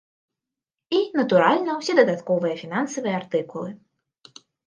І, натуральна, усе дадатковыя фінансавыя артыкулы.